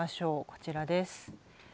こちらです。